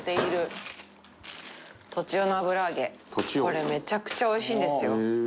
これめちゃくちゃおいしいんですよ。